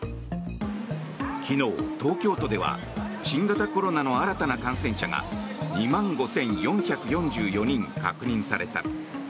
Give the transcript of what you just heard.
昨日、東京都では新型コロナの新たな感染者が２万５４４４人確認された。